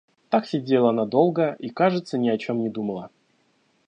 Так сидела она долго и, кажется, ни о чем не думала.